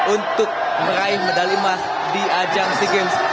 untuk meraih medal imah di ajang sea games